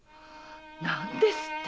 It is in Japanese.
何ですって！